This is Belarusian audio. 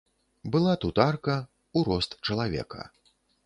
Была тут арка, у рост чалавека.